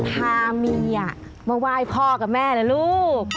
พาเมียมาไหว้พ่อกับแม่นะลูก